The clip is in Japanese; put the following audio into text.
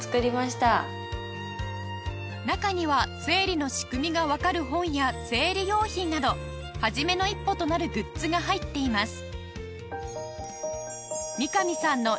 中には生理の仕組みがわかる本や生理用品などはじめの一歩となるグッズが入っています